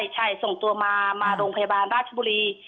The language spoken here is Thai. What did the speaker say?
ใช่ส่งตัวมามาโรงพยาบาลราชบุรี